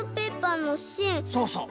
そうそう。